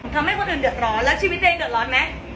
ทำให้คนอื่นเดือดร้อนแล้วชีวิตเดย์เดือดร้อนไหม